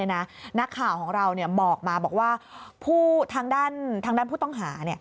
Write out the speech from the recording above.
นักข่าวของเราบอกมาบอกว่าทางด้านผู้ต้องหา